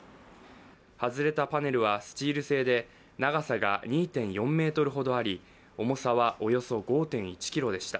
外れたパネルはスチール製で長さが２．４ｍほどあり重さはおよそ５．１ｋｇでした。